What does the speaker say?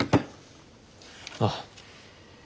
ああ。